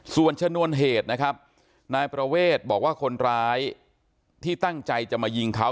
ส่วนชนวนเหตุนะครับนายประเวทบอกว่าคนร้ายที่ตั้งใจจะมายิงเขา